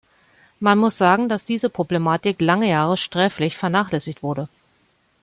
Man muss sagen, dass diese Problematik lange Jahre sträflich vernachlässigt wurde.